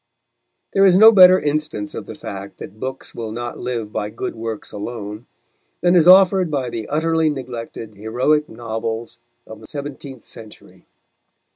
There is no better instance of the fact that books will not live by good works alone than is offered by the utterly neglected heroic novels of the seventeenth century.